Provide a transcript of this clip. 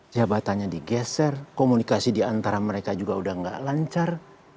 jabatannya digeser komunikasi diantara mereka juga udah gak lancar